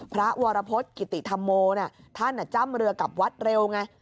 พระวรพศกิติธมโมน่ะท่านอ่ะจ้ำเรือกับวัดเร็วไง